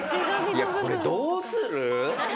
これどうする？